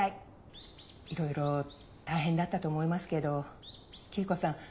いろいろ大変だったと思いますけど桐子さん